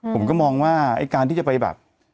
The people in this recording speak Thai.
ผมก็มองว่าไอ้การที่จะไปแบบ